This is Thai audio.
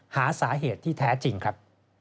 หาสาเหตุที่แท้จริงครับ